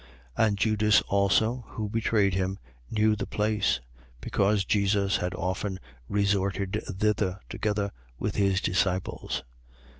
18:2. And Judas also, who betrayed him, knew the place: because Jesus had often resorted thither together with his disciples.